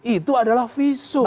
itu adalah visum